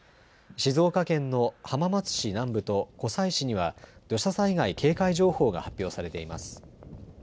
静岡県の浜松市南部と湖西市には土砂災害警戒情報が発表されています。